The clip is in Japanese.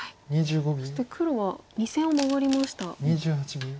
そして黒は２線をマガりました。